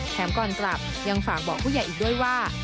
ก่อนกลับยังฝากบอกผู้ใหญ่อีกด้วยว่า